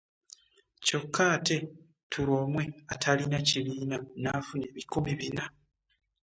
Kyokka ate Turwomwe atalina kibiina n'afuna ebikumi Bina